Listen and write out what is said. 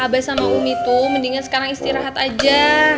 abah sama umi tuh mendingan sekarang istirahat aja